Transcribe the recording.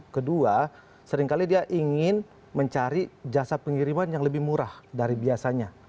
kedua seringkali dia ingin mencari jasa pengiriman yang lebih murah dari biasanya